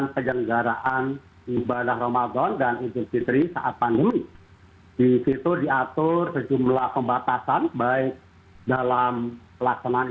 bagaimana kemudian memastikan